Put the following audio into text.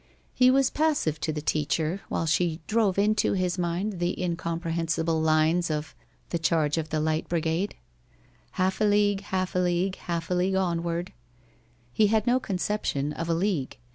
He was passive to the teacher while she drove into his mind the incomprehensible lines of "The Charge of the Light Brigade": Half a league, half a league, Half a league onward He had no conception of a league.